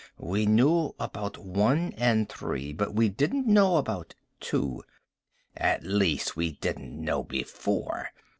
We knew about One and Three. But we didn't know about Two. At least, we didn't know before."